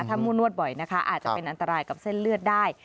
ถ้ามู่นวดบ่อยนะคะอาจจะเป็นอันตรายกับเส้นเลือดได้